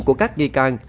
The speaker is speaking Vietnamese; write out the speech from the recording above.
của các nghi can